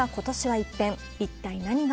一体何が。